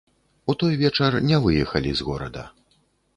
У той вечар не выехалі з горада.